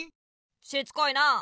しつこいなあ。